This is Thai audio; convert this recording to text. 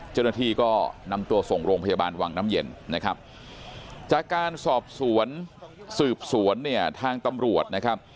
เจ้าหน้าที่ก็นำตัวส่งโรงพยาบาลวังน้ำเย็นนะครับจากการสอบสวนสืบสวนเนี่ยทางตำรวจนะครับ